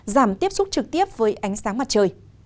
giảm tiếp xúc trực tiếp với ánh sáng mặt trời